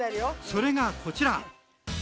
それがこちら！